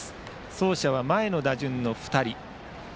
走者は前の打順の２人。